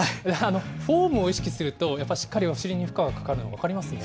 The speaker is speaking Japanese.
フォームを意識すると、やっぱり、しっかりお尻に負荷がかかるのが分かりますね。